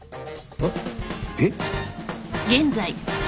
あっえっ？